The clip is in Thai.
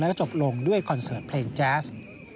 แล้วก็จบลงด้วยคอนเสิร์ตเพลงแจ๊ส